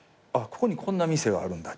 ここにこんな店があるんだ